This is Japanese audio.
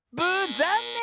ざんねん！